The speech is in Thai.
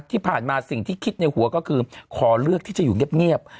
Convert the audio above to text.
ที่ผ่านมาสิ่งที่คิดในหัวก็คือขอเลือกที่จะอยู่เงียบ